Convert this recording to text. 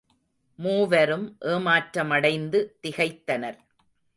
மூவரும் ஏமாற்றமடைந்து திகைத்தனர்.